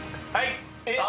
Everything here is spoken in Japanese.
はい！